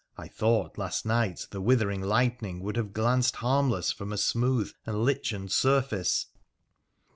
I thought last night the withering lightning would have glanced harmless from a smooth and lichened surface.